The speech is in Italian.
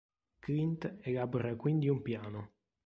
Clint elabora quindi un piano.